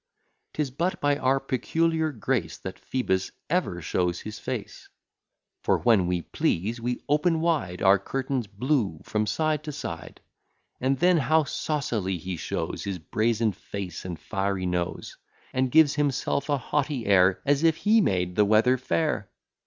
'Tis but by our peculiar grace, That Phoebus ever shows his face; For, when we please, we open wide Our curtains blue from side to side; And then how saucily he shows His brazen face and fiery nose; And gives himself a haughty air, As if he made the weather fair!